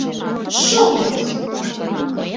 Шоҥгыс!